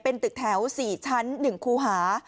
เป็นตึกแถว๔ชั้น๑คูหา